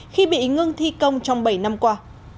khi bị ngừng thi công trong bảy năm qua